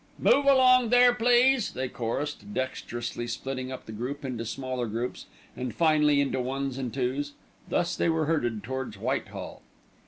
"Move along there, please," they chorused, dexterously splitting up the group into smaller groups, and, finally, into ones and twos. Thus they were herded towards Whitehall.